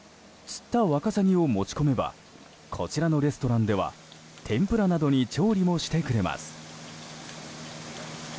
釣ったワカサギを持ち込めばこちらのレストランでは天ぷらなどに調理もしてくれます。